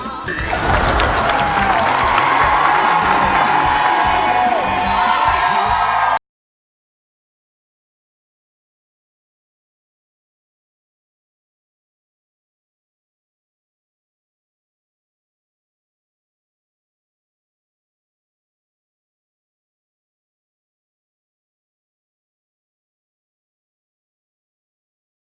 ด้านหลังของคุณแผ่นประ่วงตอบนี้คุณช่วยมันเป็นของคุณ